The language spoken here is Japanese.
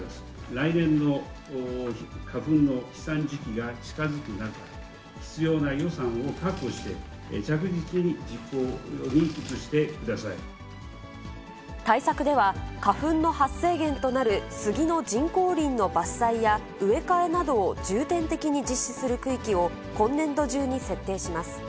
来年の花粉の飛散時期が近づく中、必要な予算を確保して、着実に実対策では、花粉の発生源となるスギの人工林の伐採や、植え替えなどを重点的に実施する区域を今年度中に設定します。